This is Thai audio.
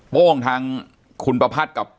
โป้งทางคุณปภัทรกับ